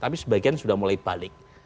tapi sebagian sudah mulai balik